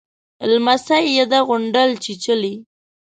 _لمسۍ يې ده، غونډل چيچلې.